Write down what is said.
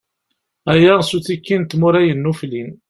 Aya, s uttiki n tmura yennuflin.